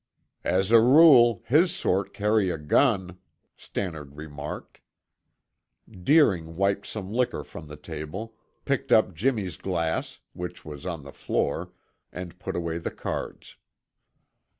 "As a rule, his sort carry a gun," Stannard remarked. Deering wiped some liquor from the table, picked up Jimmy's glass, which was on the floor, and put away the cards.